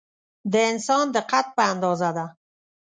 د انسان د قد په اندازه ده.